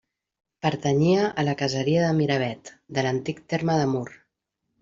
Pertanyia a la caseria de Miravet, de l'antic terme de Mur.